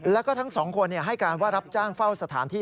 แล้วก็ทั้งสองคนให้การว่ารับจ้างเฝ้าสถานที่